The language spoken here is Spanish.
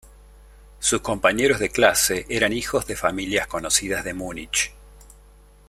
Sus compañeros de clase eran hijos de familias conocidas de Múnich.